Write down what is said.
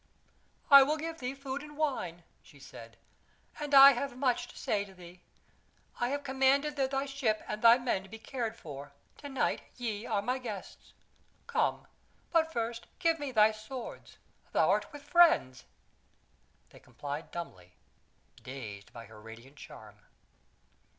"I will give thee food and wine," she said; "then I have much to say to thee. I have commanded that thy ship and thy men be cared for; to night ye are my guests. Come! But first give me thy swords. Thou'rt with friends." They complied dumbly, dazed by her radiant charm.